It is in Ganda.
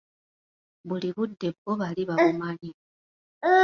Buli budde bbo bali babumanyi.